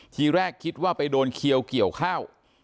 ทีแรกคิดว่าไปโดนเขียวเกี่ยวข้าว